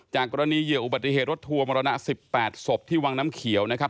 กรณีเหยื่ออุบัติเหตุรถทัวร์มรณะ๑๘ศพที่วังน้ำเขียวนะครับ